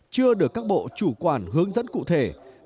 chưa được các bộ chủ quản hướng dẫn cụ thể